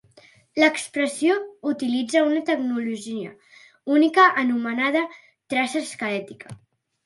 L'expressió utilitza una tecnologia única anomenada traça esquelètica.